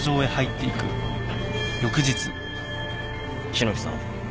篠木さん。